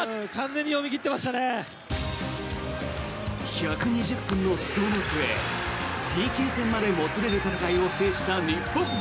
１２０分の死闘の末ＰＫ戦までもつれる戦いを制した日本。